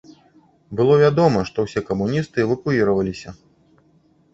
Было вядома, што ўсе камуністы эвакуіраваліся.